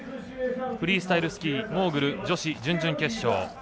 フリースタイルスキーモーグル女子準々決勝。